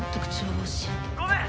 「ごめん！